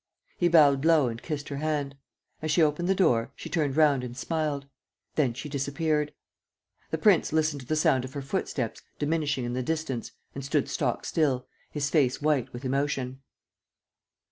He bowed low and kissed her hand. As she opened the door, she turned round and smiled. Then she disappeared. The prince listened to the sound of her footsteps diminishing in the distance and stood stock still, his face white with emotion.